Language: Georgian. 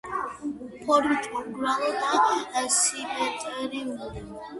ფორმით მომრგვალო და სიმეტრიული.